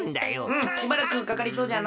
うんしばらくかかりそうじゃな。